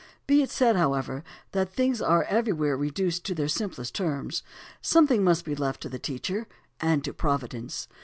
Be it said, however, that things are everywhere reduced to their simplest terms. Something must be left to the teacher, and to providence!